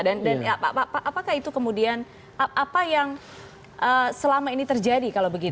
dan apakah itu kemudian apa yang selama ini terjadi kalau begitu